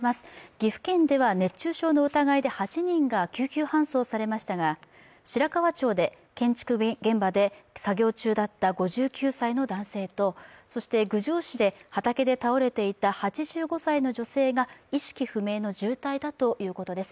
岐阜県では熱中症の疑いで８人が救急搬送されましたが白川町で建築現場で作業中だった５９歳の男性と郡上市で畑で倒れていた８５歳の女性が意識不明の重体だということです。